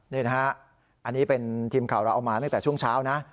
นี่นะฮะอันนี้เป็นทีมข่าวเราเอามาตั้งแต่ช่วงเช้านะ